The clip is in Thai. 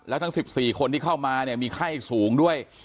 แล้วทั้ง๑๔คนที่เข้ามาเนี่ยมีไข้สูงด้วย